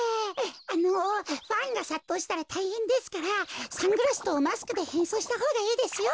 あのファンがさっとうしたらたいへんですからサングラスとマスクでへんそうしたほうがいいですよ。